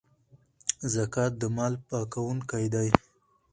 زکات د مال پاکونکی دی.